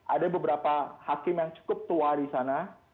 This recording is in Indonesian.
ada beberapa hakim yang cukup tua di sana